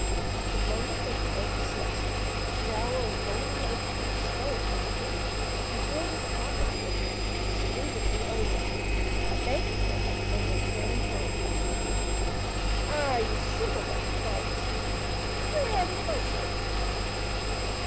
At the moment that the oak ceased, a shower of golden acorns fell upon the idiot, who filled his pockets with them, saluted the oak, thanked it, and returned home. "Ah, you simpleton!" cried his brothers, "where are the mushrooms?"